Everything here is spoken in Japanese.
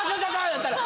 なったら。